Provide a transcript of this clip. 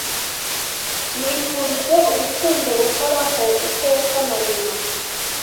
Nkwifurije urukundo ruhoraho iteka na nyuma